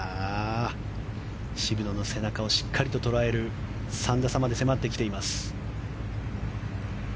渋野の背中をしっかりと捉える３打差まで迫ってきています。